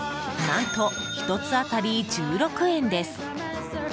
何と１つ当たり１６円です。